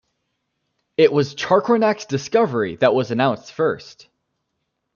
It was Chacornac's discovery that was announced first.